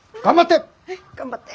頑張って！